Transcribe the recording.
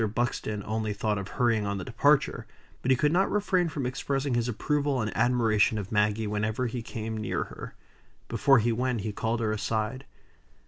Buxton only thought of hurrying on the departure; but he could not refrain from expressing his approval and admiration of Maggie whenever he came near her. Before he went, he called her aside.